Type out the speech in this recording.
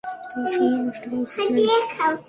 তোর সময় নষ্ট করা উচিত নয়।